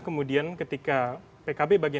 kemudian ketika pkb bagian